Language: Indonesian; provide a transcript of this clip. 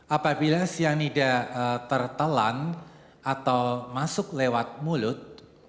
apabila cyanida tertelan atau masuk lewat mulut